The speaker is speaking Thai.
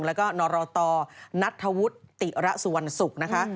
และก็นรตนัทวุทธิระสวรรษุนะคะ